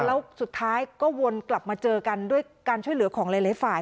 แล้วสุดท้ายก็วนกลับมาเจอกันด้วยการช่วยเหลือของหลายฝ่าย